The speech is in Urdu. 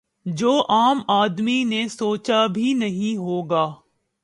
جو عام آدمی نے سوچا بھی نہیں ہو گا